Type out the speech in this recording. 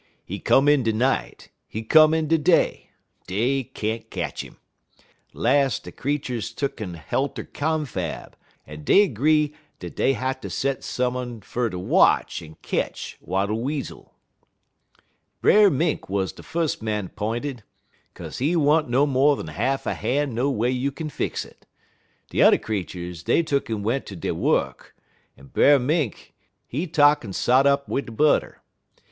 He come in de night, he come in de day; dey can't ketch 'im. Las' de creeturs tuck'n helt er confab, en dey 'gree dat dey hatter set some un fer ter watch en ketch Wattle Weasel. "Brer Mink wuz de fus' man 'p'inted, 'kaze he wa'n't mo'n a half a han' no way you kin fix it. De t'er creeturs dey tuck'n went off ter dey wuk, en Brer Mink he tuck'n sot up wid de butter.